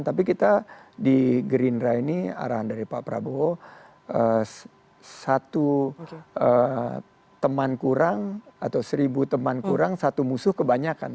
tapi kita di gerindra ini arahan dari pak prabowo satu teman kurang atau seribu teman kurang satu musuh kebanyakan